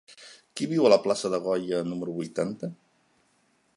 Qui viu a la plaça de Goya número vuitanta?